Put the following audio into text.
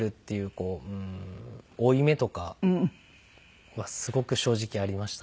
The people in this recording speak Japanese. こう負い目とかはすごく正直ありましたね。